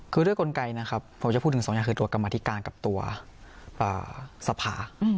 คือด้วยกลไกนะครับผมจะพูดถึงสองอย่างคือตัวกรรมธิการกับตัวสภา